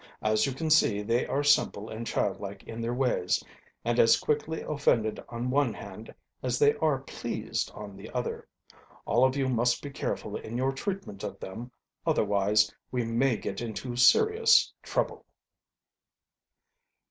"As you can see, they are simple and childlike in their ways, and as quickly offended on one hand as they are pleased on the other. All of you must be careful in your treatment of them, otherwise we may get into serious trouble."